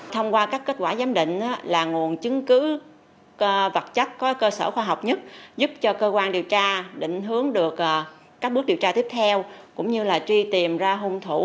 thông qua các kết quả giám định là nguồn chứng cứ vật chất có cơ sở khoa học nhất giúp cho cơ quan điều tra định hướng được các bước điều tra tiếp theo cũng như là truy tìm ra hung thủ